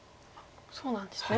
そうなんですね。